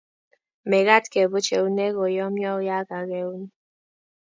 mekat kebuch eunek koyomyo ya kakeun